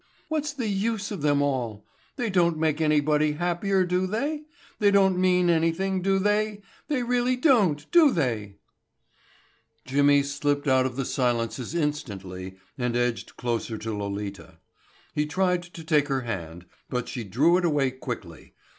What's the use of them all? They don't make anybody happier, do they? They don't mean anything, do they? They really don't, do they?" Jimmy slipped out of the silences instantly and edged closer to Lolita. He tried to take her hand, but she drew it away quickly.